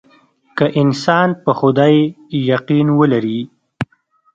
که انسان په خدای يقين ولري.